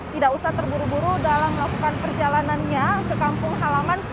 tidak usah terburu buru dalam melakukan perjalanannya ke kampung halaman